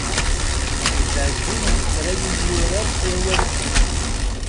Ittɛeggin unefray imyurar s wawal kan.